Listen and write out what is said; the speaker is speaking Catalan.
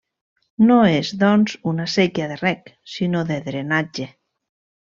No és, doncs, una séquia de reg, sinó de drenatge.